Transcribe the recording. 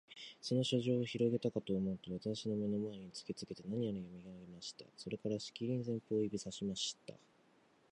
その書状をひろげたかとおもうと、私の眼の前に突きつけて、何やら読み上げました。それから、しきりに前方を指さしました。